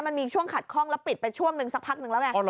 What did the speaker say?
มันมีช่วงขัดข้องแล้วปิดไปช่วงหนึ่งสักพักนึงแล้วไง